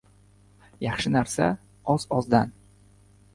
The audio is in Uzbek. • Yaxshi narsa — oz-ozdan.